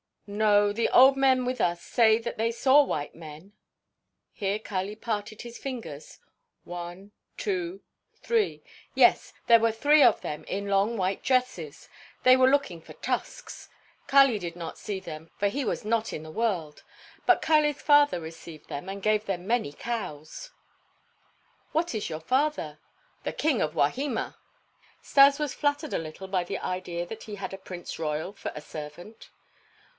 "No, the old men with us say that they saw white men, (here Kali parted his fingers) one, two, three. Yes. There were three of them in long white dresses. They were looking for tusks. Kali did not see them for he was not in the world, but Kali's father received them and gave them many cows." "What is your father?" "The king of Wahima." Stas was flattered a little by the idea that he had a Prince Royal for a servant.